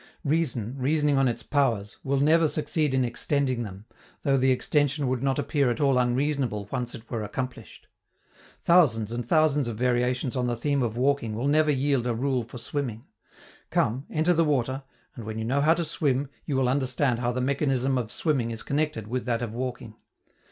Reason, reasoning on its powers, will never succeed in extending them, though the extension would not appear at all unreasonable once it were accomplished. Thousands and thousands of variations on the theme of walking will never yield a rule for swimming: come, enter the water, and when you know how to swim, you will understand how the mechanism of swimming is connected with that of walking.